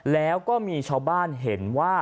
แล้วก็มีชาวบ้านเห็นว่า